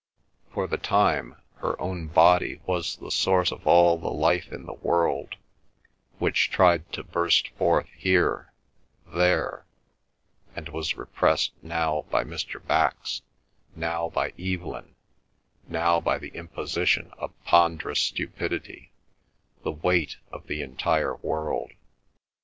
For the time, her own body was the source of all the life in the world, which tried to burst forth here—there—and was repressed now by Mr. Bax, now by Evelyn, now by the imposition of ponderous stupidity, the weight of the entire world.